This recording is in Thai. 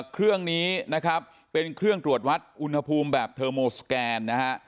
เครื่องนี้นะครับเป็นเครื่องตรวจวัดอุณหภูมิแบบเทอร์โมสแกนนะฮะ